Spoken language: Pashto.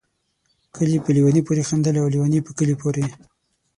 کلي په ليوني پوري خندل ، او ليوني په کلي پوري